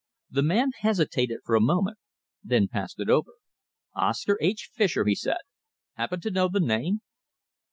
The man hesitated for a moment, then passed it over. "Oscar H. Fischer," he said. "Happen to know the name?"